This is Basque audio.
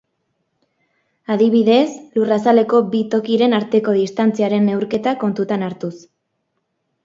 Adibidez, Lurrazaleko bi tokiren arteko distantziaren neurketa kontutan hartuz.